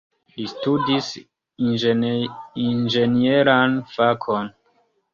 Li studis inĝenieran fakon.